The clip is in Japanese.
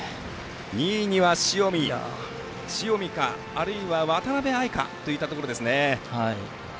２位には塩見かあるいは渡辺愛かといったところ。